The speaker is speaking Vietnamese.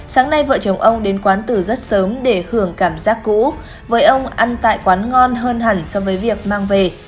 sáng nay vợ chồng ông đến quán từ rất sớm để hưởng cảm giác cũ với ông ăn tại quán ngon hơn hẳn so với việc mang về